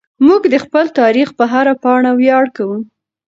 موږ د خپل تاریخ په هره پاڼه ویاړ کوو.